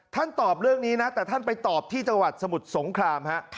ตอบเรื่องนี้นะแต่ท่านไปตอบที่จังหวัดสมุทรสงครามฮะ